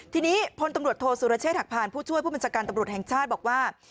ทีนี้พลตำรวจโทษสุรเชษฐหักผ่านผู้ช่วยผู้บัญชาการตำรวจแห่งชาติบอกว่า